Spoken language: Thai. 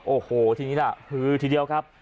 โอ้โหทีนี้ล่ะฮือทีเดียวครับ